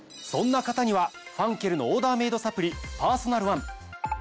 そんな方にはファンケルのオーダーメイドサプリパーソナルワン。